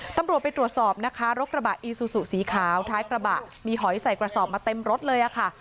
ตำรวจไปตรวจสอบนะคะรถกระบะอีซูซูสีขาวท้ายกระบะมีหอยใส่กระสอบมาเต็มรถเลยค่ะ